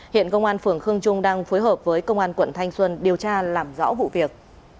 hiện công an phường khương trung đang phối hợp với công an quận thanh xuân điều tra làm rõ vụ việc